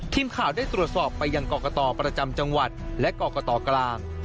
ทีมข่าวได้ตรวจสอบไปยังกรกตประจำจังหวัดและกรกตกลาง